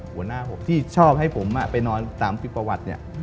หัวหน้าผมที่ชอบให้ผมไปนอนตามปริปวัติ